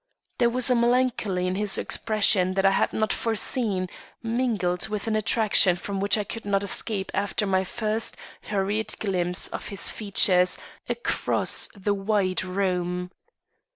There was a melancholy in his expression I had not foreseen, mingled with an attraction from which I could not escape after my first hurried glimpse of his features across the wide room.